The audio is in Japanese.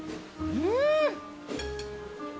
うん。